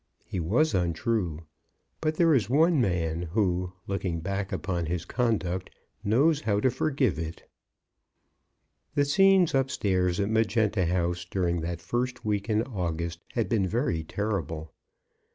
He was untrue; but there is one man, who, looking back upon his conduct, knows how to forgive it. The scenes upstairs at Magenta House during that first week in August had been very terrible.